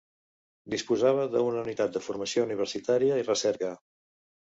Disposava d'una unitat de formació universitària i recerca.